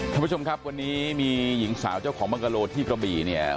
ท่านผู้ชมครับวันนี้มีหญิงสาวเจ้าของมังกะโลที่กระบี่เนี่ย